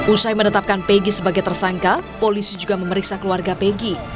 usai menetapkan peggy sebagai tersangka polisi juga memeriksa keluarga peggy